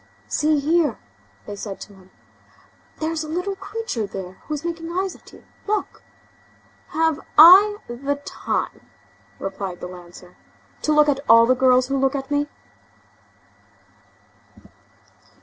"See here!" they said to him, "there's a little creature there who is making eyes at you, look." "Have I the time," replied the lancer, "to look at all the girls who look at me?"